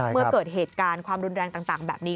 เมื่อเกิดเหตุการณ์ความรุนแรงต่างแบบนี้